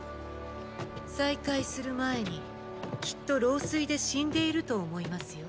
再会する前にきっと老衰で死んでいると思いますよ。